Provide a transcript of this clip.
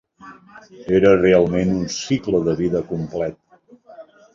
Era realment un cicle de vida complet.